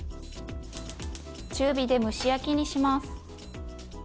中火で蒸し焼きにします。